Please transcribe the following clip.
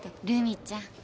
ルミちゃん。